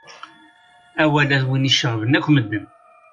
Awal-a d win iceɣben akk medden.